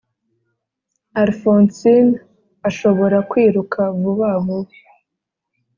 alphonsine ashobora kwiruka vuba vuba.